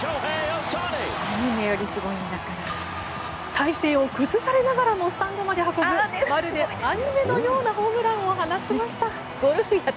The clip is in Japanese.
体勢を崩されながらもスタンドまで運ぶまるでアニメのようなホームランを放ちました。